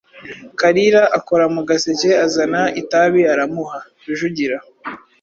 Kalira akora mu gaseke azana itabi aramuha. Rujugira,